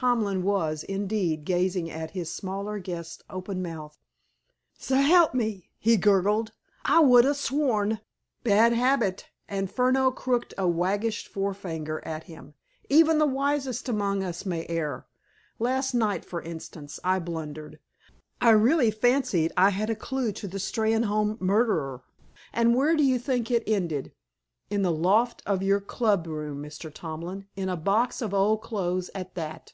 Tomlin was, indeed, gazing at his smaller guest open mouthed. "S'elp me!" he gurgled. "I could ha' sworn—" "Bad habit," and Furneaux crooked a waggish forefinger at him. "Even the wisest among us may err. Last night, for instance, I blundered. I really fancied I had a clew to the Steynholme murderer. And where do you think it ended? In the loft of your club room, Mr. Tomlin. In a box of old clothes at that.